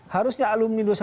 harusnya alumi dua puluh satu